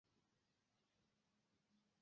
最终圣堂之门的女主角由飞担任。